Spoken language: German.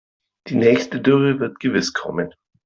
Die nächste Dürre wird gewiss kommen.